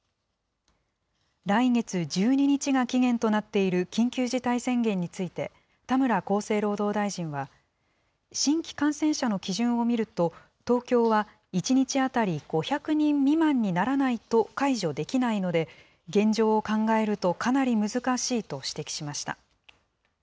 来月１２日が期限となっている緊急事態宣言について、田村厚生労働大臣は、新規感染者の基準を見ると、東京は１日当たり５００人未満にならないと解除できないので、現状を考えるとかなり難しいと指摘しました。